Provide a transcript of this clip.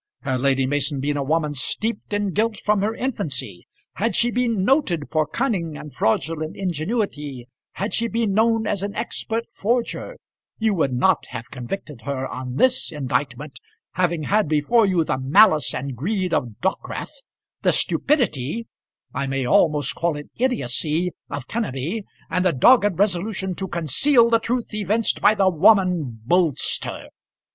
Had Lady Mason been a woman steeped in guilt from her infancy, had she been noted for cunning and fraudulent ingenuity, had she been known as an expert forger, you would not have convicted her on this indictment, having had before you the malice and greed of Dockwrath, the stupidity I may almost call it idiocy, of Kenneby, and the dogged resolution to conceal the truth evinced by the woman Bolster.